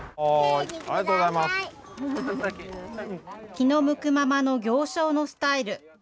気の向くままの行商のスタイル。